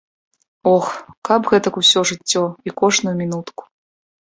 Ох, каб гэтак усё жыццё і кожную мінутку.